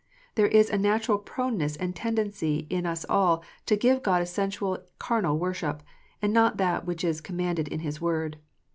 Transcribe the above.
There is a natural proneness and tendency in us all to give God a sensual, carnal worship, and not that which is com manded in His Word.